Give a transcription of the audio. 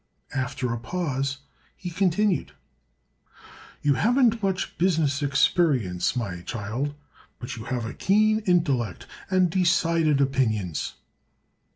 After a pause he continued: "You haven't much business experience, my child, but you have a keen intellect and decided opinions."